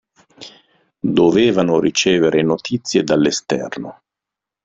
Dovevano ricevere notizie dall'esterno.